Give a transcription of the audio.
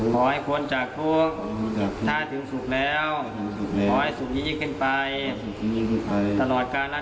ขอให้คนจากภูมิถ้าถึงศุกร์แล้ว